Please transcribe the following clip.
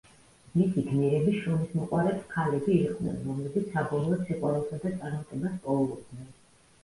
მისი გმირები შრომისმოყვარე ქალები იყვნენ, რომლებიც საბოლოოდ სიყვარულსა და წარმატებას პოულობდნენ.